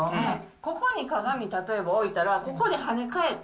ここに鏡例えば置いたら、ここで跳ね返って。